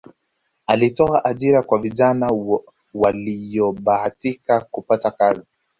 alitoa ajira kwa vijana waliyobahatika kupata kazi